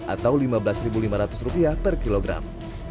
atau rp lima belas lima ratus per kilogram